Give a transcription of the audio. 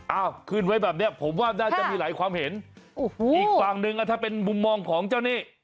ขึ้นไว้แบบเนี้ยผมว่าน่าจะมีหลายความเห็นโอ้โหอีกฝั่งหนึ่งอ่ะถ้าเป็นมุมมองของเจ้านี่